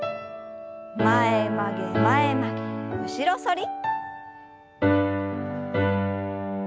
前曲げ前曲げ後ろ反り。